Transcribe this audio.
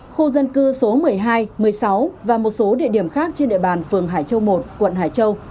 khu dân cư số một mươi hai một mươi sáu và một số địa điểm khác trên địa bàn phường hải châu một quận hải châu